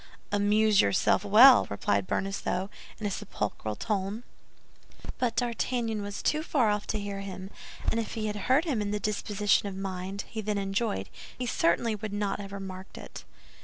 "Amuse yourself well!" replied Bonacieux, in a sepulchral tone. But D'Artagnan was too far off to hear him; and if he had heard him in the disposition of mind he then enjoyed, he certainly would not have remarked it.